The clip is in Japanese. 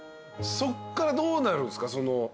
そっからどうなるんですか？